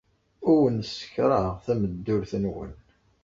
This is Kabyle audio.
Ur awen-ssekṛaheɣ tameddurt-nwen.